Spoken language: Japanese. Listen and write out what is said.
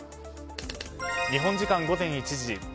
日本時間午前１時。